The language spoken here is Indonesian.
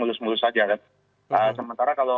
mulus mulus saja kan sementara kalau